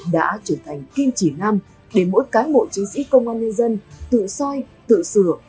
đã trở thành kim chỉ nam để mỗi cán bộ chiến sĩ công an nhân dân tự soi tự sửa